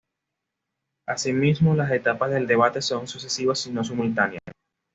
Asimismo, las Etapas del Debate son sucesivas y no simultáneas.